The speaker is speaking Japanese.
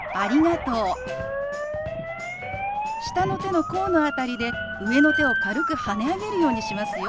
下の手の甲の辺りで上の手を軽くはね上げるようにしますよ。